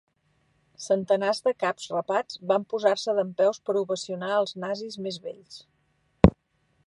Centenars de caps rapats van posar-se dempeus per a ovacionar als Nazis més vells.